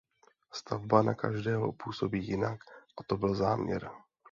Stavba na každého působí jinak a to byl záměr.